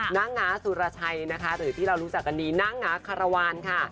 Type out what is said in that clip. หน้าง้าสุรชัยนะคะหรือที่เรารู้จักกันดีนางง้าคารวาลค่ะ